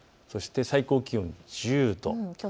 そして最高気温は１０度。